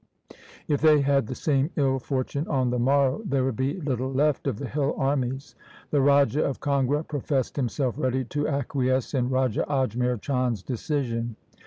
If they had the same ill for tune on the morrow, there would be little left of the hill armies. The Raja of Kangra professed him self ready to acquiesce in Raja Ajmer Chand's decision.